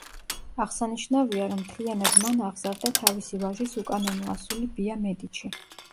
აღსანიშნავია, რომ მთლიანად მან აღზარდა თავისი ვაჟის უკანონო ასული ბია მედიჩი.